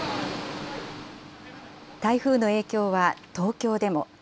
台風の影響は東京でも。